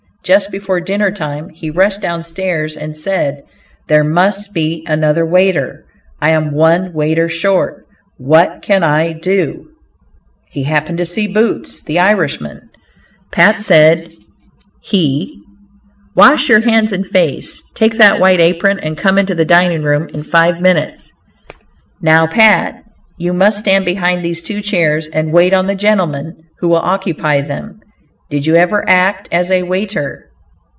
Just before dinner time, he rushed down stairs and said, "There must be another waiter, I am one waiter short, what can I do?" He happened to see "Boots," the Irishman. "Pat," said he, "wash your hands and face; take that white apron and come into the dining room in five minutes." Presently Pat appeared as required, and the proprietor said: "Now Pat, you must stand behind these two chairs, and wait on the gentlemen who will occupy them; did you ever act as a waiter?"